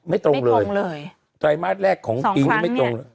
ไม่ตรงเลยไตรมาสแรกของปีนี้ไม่ตรงเลย